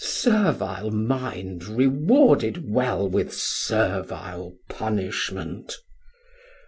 servil mind Rewarded well with servil punishment!